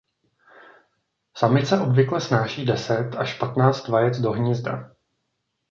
Samice obvykle snáší deset až patnáct vajec do hnízda.